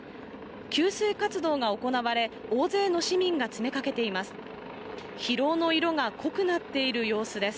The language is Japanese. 給水活動が行われ、大勢の市民が詰めかけています。